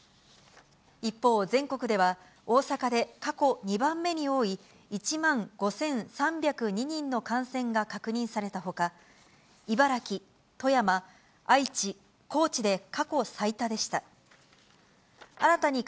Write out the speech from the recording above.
一方、全国では大阪で過去２番目に多い１万５３０２人の感染が確認されたほか、茨城、富山、愛知、高知で過去最多でした。